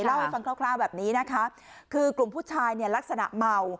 เล่าให้ฟังคร่าวแบบนี้นะคะคือกลุ่มผู้ชายเนี่ยลักษณะเมา